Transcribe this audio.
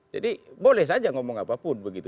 jadi boleh saja ngomong apapun begitu